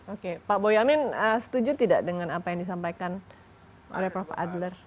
oke pak boyamin setuju tidak dengan apa yang disampaikan oleh prof adler